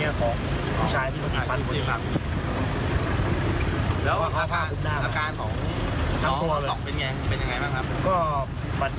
มันเจ็บโดนตั้งแต่นี้อย่างยันทาวเลย